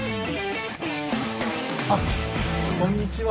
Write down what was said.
あっこんにちは。